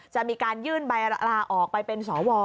จะมีการยื่นใบลาออกไปเป็นสว